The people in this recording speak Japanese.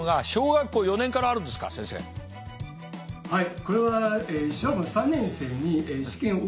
はい。